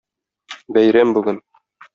Бәйрәм бүген!